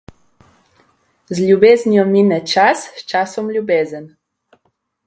Z ljubeznijo mine čas, s časom ljubezen.